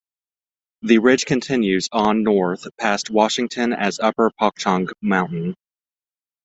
The ridge continues on north past Washington as Upper Pohatcong Mountain.